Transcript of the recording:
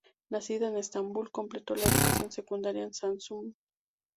Nacida en Estambul, completó la educación secundaria en Samsun.